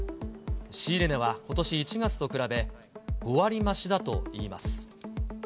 仕入れ値はことし１月と比べ、５割増しだといいます。